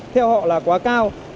theo họ là quá cao